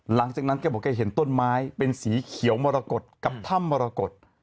หลังจากนั้นแกบอกแกเห็นต้นไม้เป็นสีเขียวมรกฏกับถ้ำมรกฏ